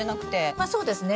まあそうですね。